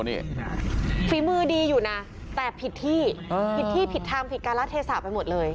นี่ฝีมือดีอยู่นะแต่ผิดที่ผิดที่ผิดทางผิดการละเทศะไปหมดเลย